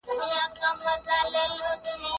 مسلمانان د حج په مراسمو کې یو ډول جامې اغوندي.